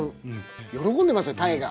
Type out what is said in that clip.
喜んでますよ鯛が。